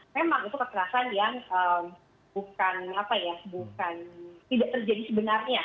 memang itu kekerasan yang bukan apa ya bukan tidak terjadi sebenarnya